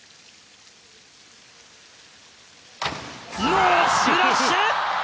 ノースプラッシュ！